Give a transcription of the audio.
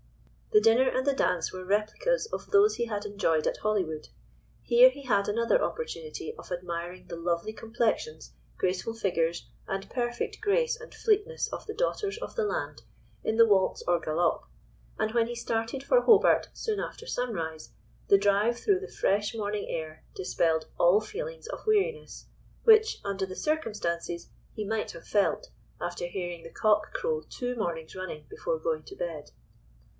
The dinner and the dance were replicas of those he had enjoyed at Hollywood. Here he had another opportunity of admiring the lovely complexions, graceful figures, and perfect grace and fleetness of the daughters of the land in the waltz or galop, and when he started for Hobart soon after sunrise, the drive through the fresh morning air dispelled all feelings of weariness, which, under the circumstances, he might have felt, after hearing the cock crow two mornings running before going to bed.